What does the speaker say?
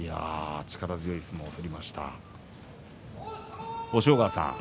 力強い相撲を取りました